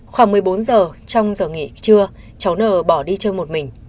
khoảng một mươi bốn giờ trong giờ nghỉ trưa cháu nờ bỏ đi chơi một mình